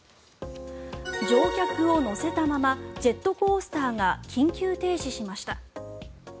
乗客を乗せたままジェットコースターが緊急停止しました。